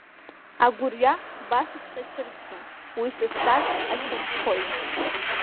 Агәырҩа башаҵәҟьа ицәырҵӡом, уи сасҵас аҽарххоит!